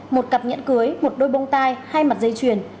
một cặp nhẫn cưới một đôi bông tai hai mặt dây chuyền